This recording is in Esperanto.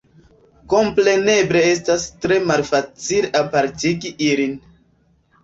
Kompreneble estas tre malfacile apartigi ilin.